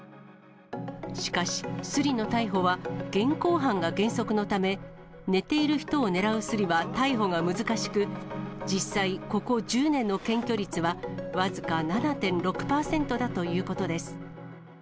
しかし、スリの逮捕は現行犯が原則のため、寝ている人を狙うスリは逮捕が難しく、実際、ここ１０年の検挙率は僅か７．６％だということです。